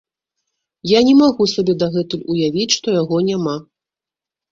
Я не магу сабе дагэтуль уявіць, што яго няма.